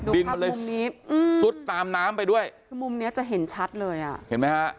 ดินมันเลยซุดตามน้ำไปด้วยคือมุมเนี้ยจะเห็นชัดเลยอ่ะเห็นไหมฮะ